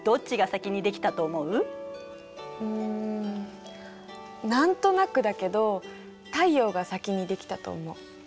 うん何となくだけど太陽が先にできたと思う。